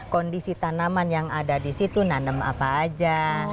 kondisi tanaman yang ada di situ nanem apa aja